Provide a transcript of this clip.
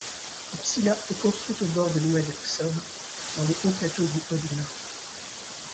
M'Sila est construite aux bords de l'oued Ksob, dans les hauts plateaux du Hodna.